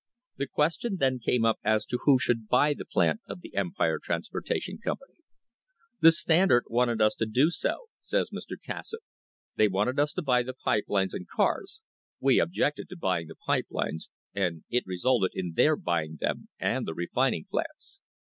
The question then came up as to who should buy the plant of the Empire Transportation Company. "The Standard wanted us to do so," says Mr. Cassatt. "They wanted us to buy the pipe lines v and cars ; we objected to buying the pipe lines, and it resulted their buying them and the refining plants.